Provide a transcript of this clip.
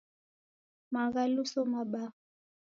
Maghaluso mabaa.